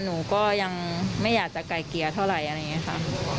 หนูก็ยังไม่อยากจะไกลเกลี่ยเท่าไหร่อะไรอย่างนี้ค่ะ